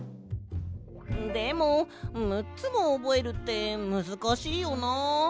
でも６つもおぼえるってむずかしいよな。